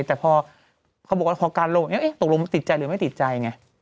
ตกลงอ่ะติดใจหรือไม่ติดใจไง